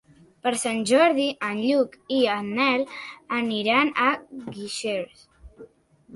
Per Sant Jordi en Lluc i en Nel aniran a Guixers.